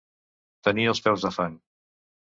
Tenir els peus de fang.